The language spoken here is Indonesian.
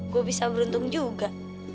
gue bisa beruntung juga